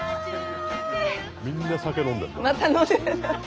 みんな酒飲んでる。